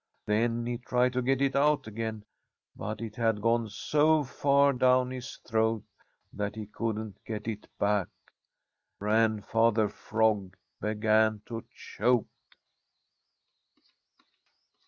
Then he tried to get it out again, but it had gone so far down his throat that he couldn't get it back. Grandfather Frog began to choke.